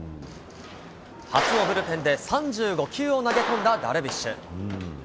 初のブルペンで３５球を投げ込んだダルビッシュ。